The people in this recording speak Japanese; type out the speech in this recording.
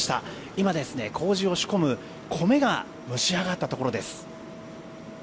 今、麹を仕込む米が蒸し上がったところです。